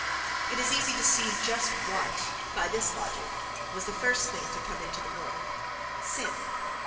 —It is easy to see just what, by this logic, was the first thing to come into the world:—"sin."...